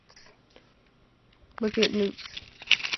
Look at newts.